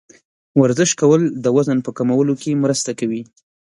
ورزش کول د وزن په کمولو کې مرسته کوي.